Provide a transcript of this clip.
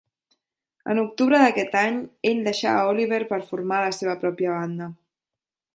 En octubre d'aquest any, ell deixà a Oliver per formar la seva pròpia banda.